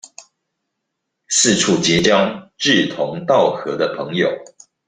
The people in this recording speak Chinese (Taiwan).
四處結交志同道合的朋友